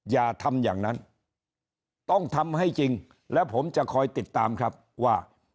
อย่าทำอย่างนั้นต้องทำให้จริงแล้วผมจะคอยติดตามครับว่า